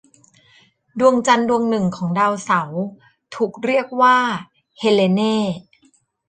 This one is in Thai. ดวงจันทร์ดวงหนึ่งของดาวเสาร์ถูกเรียกว่าเฮเลเน่.